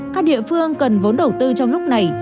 các địa phương cần vốn đầu tư trong lúc này